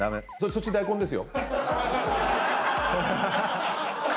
そっち大根ですよ。